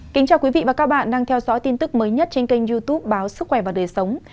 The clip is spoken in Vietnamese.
kính chào quý vị và các bạn đang theo dõi tin tức mới nhất trên kênh youtube báo sức khỏe và đời sống